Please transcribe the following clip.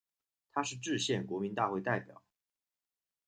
他是制宪国民大会代表。